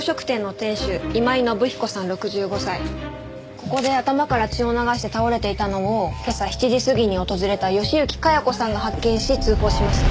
ここで頭から血を流して倒れていたのを今朝７時過ぎに訪れた吉行香也子さんが発見し通報しました。